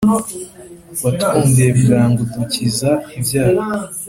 Watwumviye bwangu udukiza ibyago